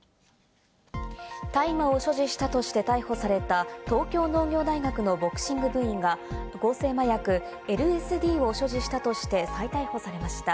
大麻を所持したとして逮捕された東京農業大学のボクシング部員が合成麻薬ＬＳＤを所持したとして、再逮捕されました。